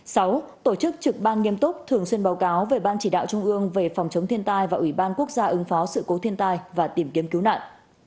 sáu tổ chức trực ban nghiêm túc thường xuyên báo cáo về ban chỉ đạo trung ương về phòng chống thiên tai và ủy ban quốc gia ứng phó sự cố thiên tai và tìm kiếm cứu nạn